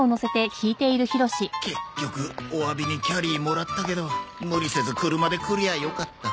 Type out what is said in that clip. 結局おわびにキャリーもらったけど無理せず車で来りゃあよかった。